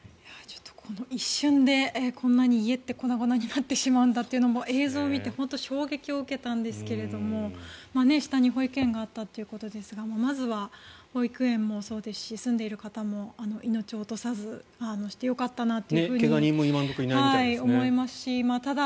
この一瞬でこんなに家って粉々になってしまうんだと映像を見て本当に衝撃を受けたんですが下に保育園があったということですがまずは保育園もそうですし住んでいる方も命を落とさずによかったなと。